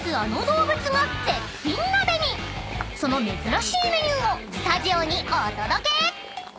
［その珍しいメニューをスタジオにお届け！］